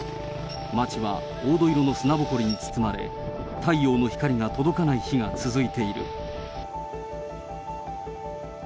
町は黄土色の砂ぼこりに包まれ、太陽の光が届かない日が続いている。